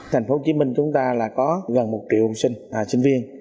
thành phố hồ chí minh chúng ta là có gần một triệu sinh viên